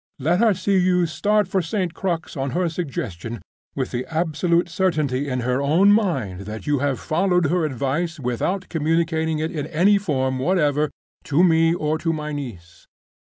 Let her see you start for St. Crux on her suggestion, with the absolute certainty in her own mind that you have followed her advice without communicating it in any form whatever to me or to my niece.